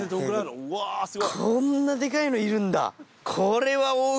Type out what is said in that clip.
こんなでかいのいるんだ。